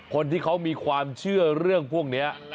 คนที่เขามีความเชื่อเรื่องพวกนี้